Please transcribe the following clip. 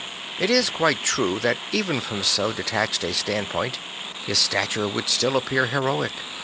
It is quite true that even from so detached a standpoint his stature would still appear heroic.